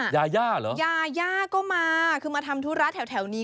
ยาย่าเหรอยาย่าก็มาคือมาทำธุระแถวนี้